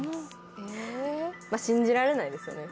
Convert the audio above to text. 信じられないですよね